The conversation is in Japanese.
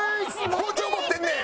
包丁持ってんねん！